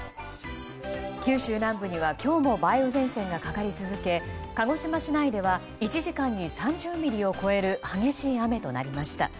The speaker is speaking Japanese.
九州南部には今日も梅雨前線がかかり続け鹿児島市内では１時間に３０ミリを超える激しい雨となりました。